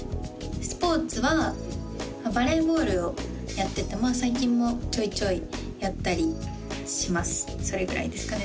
スポーツはバレーボールをやっててまあ最近もちょいちょいやったりしますそれぐらいですかね